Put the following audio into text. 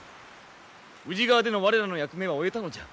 宇治川での我らの役目は終えたのじゃ。